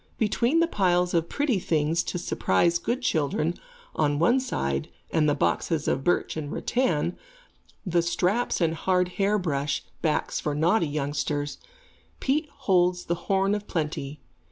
Between the piles of pretty things to surprise good children, on one side, and the boxes of birch and rattan, the straps and hard hair brush backs for naughty youngsters, Pete holds the horn of plenty.